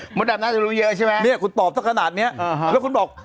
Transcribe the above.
ดำน่าจะรู้เยอะใช่ไหมเนี่ยคุณตอบสักขนาดนี้แล้วคุณบอก